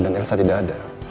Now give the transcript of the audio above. dan elsa tidak ada